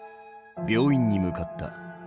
病院に向かった。